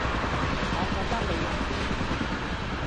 我覺得你勇啲